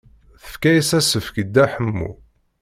Tefka-as asefk i Dda Ḥemmu.